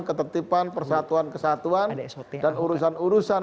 ketertiban persatuan kesatuan dan urusan urusan